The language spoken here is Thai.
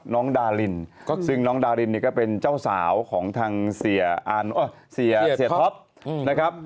น้องดารินซึ่งน้องดารินเนี่ยก็เป็นเจ้าสาวของทางเสียท็อปนะครับ